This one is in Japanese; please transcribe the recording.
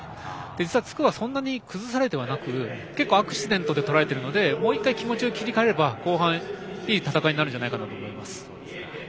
実は筑波もそんなに崩されていなくてアクシデントで結構とられているので、もう１回気持ちを切り替えれば後半いい戦いになるんじゃないかなと思います。